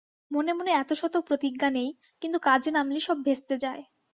মনে মনে এতশত প্রতিজ্ঞা নেই, কিন্তু কাজে নামলেই সব ভেস্তে যায়।